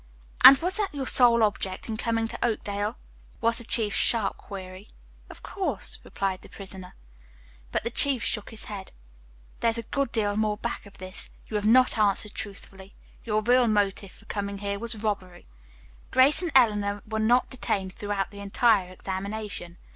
"And was that your sole object in coming to Oakdale?" was the chief's sharp query. "Of course," replied the prisoner. But the chief shook his head. "There is a good deal more back of this. You have not answered truthfully. Your real motive for coming here was robbery." Grace and Eleanor were not detained throughout the entire examination.